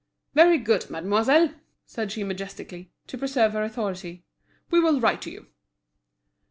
"Very good, mademoiselle," said she majestically, to preserve her authority; "we will write to you."